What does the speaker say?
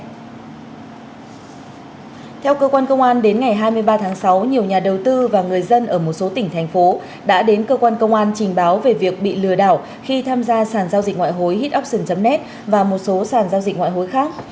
theo cơ quan công an đến ngày hai mươi ba tháng sáu nhiều nhà đầu tư và người dân ở một số tỉnh thành phố đã đến cơ quan công an trình báo về việc bị lừa đảo khi tham gia sàn giao dịch ngoại hối head opion net và một số sản giao dịch ngoại hối khác